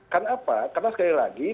karena sekali lagi